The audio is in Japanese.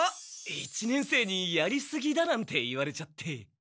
一年生にやりすぎだなんて言われちゃって。